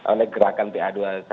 oleh gerakan pa dua ratus dua belas